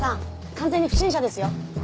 完全に不審者ですよ。